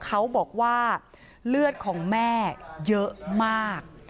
เขาบอกว่าเลือดของแม่เยอะมาก